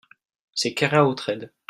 C'est Keraotred.